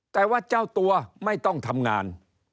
แต่ว่าเจ้าตัวไม่ต้องทำงาน